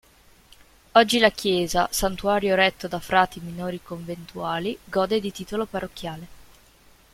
Oggi la chiesa, santuario retto dai frati minori conventuali, gode di titolo parrocchiale.